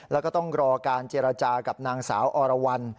แล้วก็ต้องรอการเจรจากับนางสาวอรวรรณ